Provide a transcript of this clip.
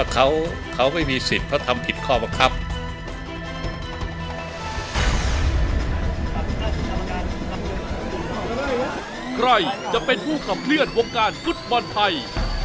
ใครจะเป็นผู้ขับเคลื่อนวงการฟุตบอลไทย